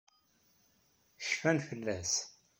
Cfan fell-as.